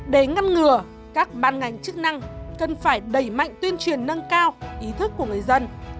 để ngăn ngừa các ban ngành chức năng cần phải đẩy mạnh tuyên truyền nâng cao ý thức của người dân